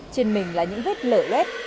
trên mình là những vết lở lét